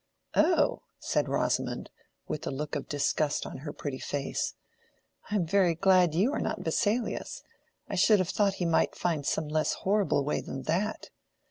"Oh!" said Rosamond, with a look of disgust on her pretty face, "I am very glad you are not Vesalius. I should have thought he might find some less horrible way than that."